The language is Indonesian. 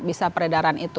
bisa peredaran itu